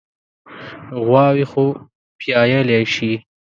غواوې خو پيايلی شي.